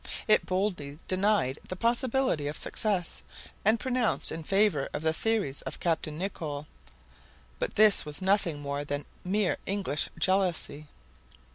It boldly denied the possibility of success, and pronounced in favor of the theories of Captain Nicholl. But this was nothing more than mere English jealousy.